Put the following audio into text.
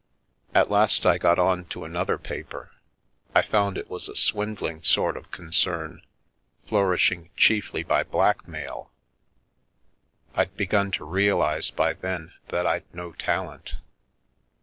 At last I got on to another paper. I found it was a swindling sort of concern, flourishing chiefly by blackmail. Td begun to realise by then that Fd no talent.